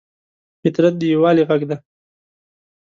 فطرت د یووالي غږ دی.